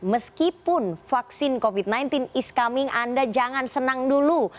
meskipun vaksin covid sembilan belas is coming anda jangan senang dulu